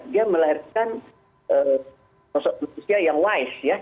dia melahirkan sosok manusia yang wise ya